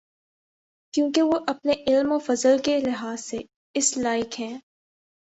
کیونکہ وہ اپنے علم و فضل کے لحاظ سے اس لائق ہیں۔